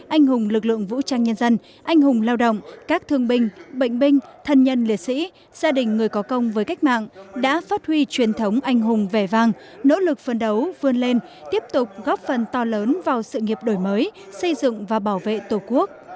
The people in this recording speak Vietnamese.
anh hùng lực lượng vũ trang nhân dân anh hùng lao động các thương binh bệnh binh thân nhân liệt sĩ gia đình người có công với cách mạng đã phát huy truyền thống anh hùng vẻ vang nỗ lực phân đấu vươn lên tiếp tục góp phần to lớn vào sự nghiệp đổi mới xây dựng và bảo vệ tổ quốc